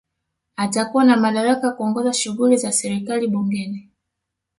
Atakuwa na madaraka ya kuongoza shughuli za serikali Bungeni